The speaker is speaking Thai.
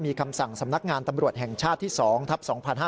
มีคำสั่งสำนักงานตำรวจแห่งชาติที่๒ทัพ๒๕๕๙